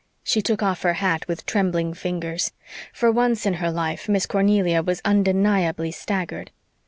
She took off her hat with trembling fingers. For once in her life Miss Cornelia was undeniably staggered.